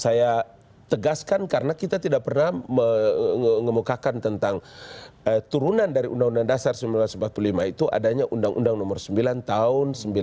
saya tegaskan karena kita tidak pernah mengemukakan tentang turunan dari undang undang dasar seribu sembilan ratus empat puluh lima itu adanya undang undang nomor sembilan tahun seribu sembilan ratus sembilan puluh